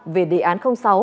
về đề án sáu